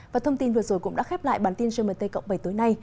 và thông tin vừa rồi cũng đã khép lại bản tin trên mnt cộng bảy tối nay